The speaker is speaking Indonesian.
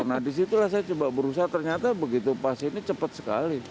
nah disitulah saya coba berusaha ternyata begitu pas ini cepat sekali